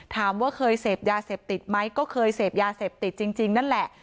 ถามว่าเคยเสพยาเสพติดไหมก็เคยเสพยาเสพติดจริงนั่นแหละ